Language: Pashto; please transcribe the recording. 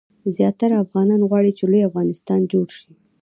زیاتره افغانان غواړي چې لوی افغانستان جوړ شي.